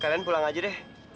kalian pulang aja deh